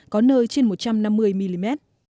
có nơi trên một trăm năm mươi mm